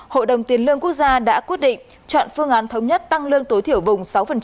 hội đồng tiền lương quốc gia đã quyết định chọn phương án thống nhất tăng lương tối thiểu vùng sáu